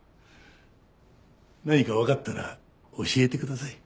何かわかったら教えてください。